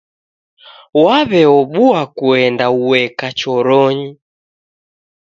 Waw'eobua kuenda ueka choronyi.